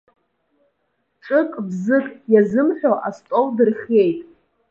Ҿык-бзык иазымҳәо астол дырхиеит.